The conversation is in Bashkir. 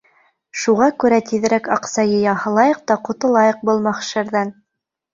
Шуға күрә тиҙерәк аҡса йыя һалайыҡ та ҡотолайыҡ был мәхшәрҙән.